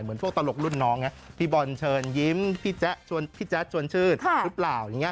เหมือนพวกตลกรุ่นน้องไงพี่บอลเชิญยิ้มพี่แจ๊ะชวนชื่นรึเปล่า